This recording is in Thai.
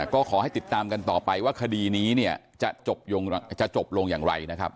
ก็ขอให้ติดตามกันต่อไปว่าคดีนี้เนี่ยจะจบลงอย่างไรนะครับ